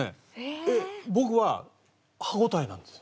僕は歯応えなんですよ。